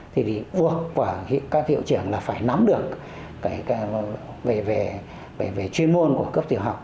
thì thì vua và các hiệu trưởng là phải nắm được cái về chuyên môn của cấp tiểu học